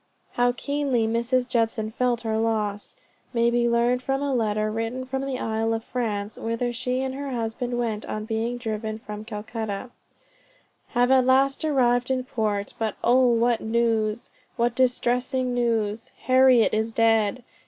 How keenly Mrs. Judson felt her loss, may be learned from a letter written from the Isle of France, whither she and her husband went on being driven from Calcutta: "Have at last arrived in port; but oh, what news, what distressing news! Harriet is dead.